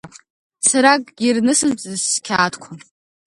Сара акгьы рнысымҵаӡацт сқьаадқәа.